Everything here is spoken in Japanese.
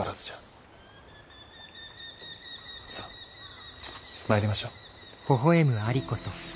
さっ参りましょう。